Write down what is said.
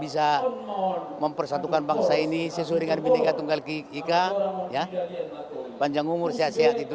bisa mempersatukan bangsa ini sesuai dengan bineka tunggal ika ya panjang umur sehat sehat itu